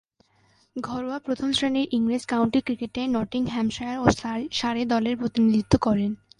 ঘরোয়া প্রথম-শ্রেণীর ইংরেজ কাউন্টি ক্রিকেটে নটিংহ্যামশায়ার ও সারে দলের প্রতিনিধিত্ব করেন।